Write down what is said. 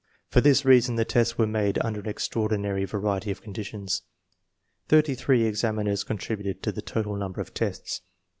For this reason the tests were made under an extraordinary variety of conditions. Thirty three ex aminers contributed to the total number of tests.